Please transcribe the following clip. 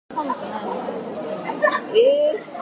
あとなんこ書かなきゃいけないのだろう